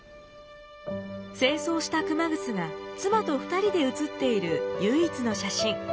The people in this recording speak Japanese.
正装した熊楠が妻と２人で写っている唯一の写真。